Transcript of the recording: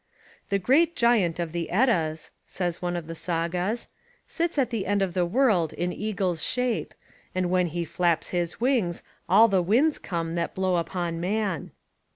"The great giant of the Eddas," says one of the Sagas, "sits at the end of the world in Eagle's shape, and when he flaps his wings all the winds come that blow upon man."